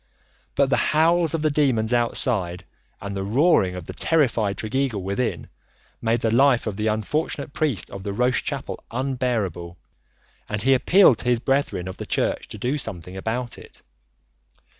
But the howls of the demons outside, and the roaring of the terrified Tregeagle within, made the life of the unfortunate priest of the Roche chapel unbearable, and he appealed to his brethren of the Church to do something about it.